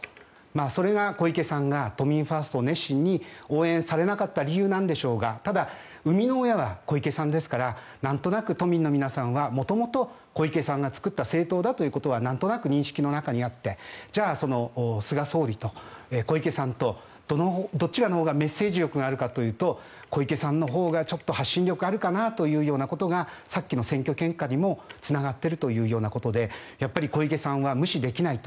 それが小池さんが都民ファーストを熱心に応援されなかった理由なんでしょうがただ生みの親は小池さんですからなんとなく都民の皆さんは元々、小池さんが作った政党だということはなんとなく認識の中にあってじゃあ、菅総理と小池さんとどっちのほうがメッセージ力があるかというと小池さんのほうが、ちょっと発信力あるかなということがさっきの選挙結果にもつながっているということでやっぱり小池さんは無視できないと。